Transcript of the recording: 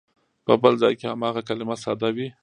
په بل ځای کې هماغه کلمه ساده وي.